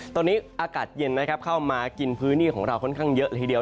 ตอนนี้อากาศเย็นนะครับเข้ามากินพื้นที่ของเราค่อนข้างเยอะละทีเดียว